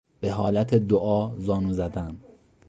به حالت دعا زانو زدن